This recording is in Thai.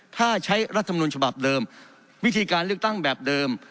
ถ้าใช้รัฐมนุนฉบับเดิมวิธีการเลือกตั้งแบบเดิม